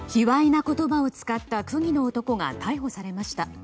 卑猥な言葉を使った区議の男が逮捕されました。